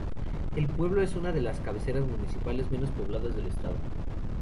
El pueblo es una de las cabeceras municipales menos poblados del estado.